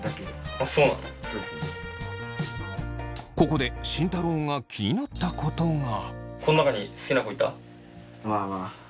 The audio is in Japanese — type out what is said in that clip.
ここで慎太郎が気になったことが。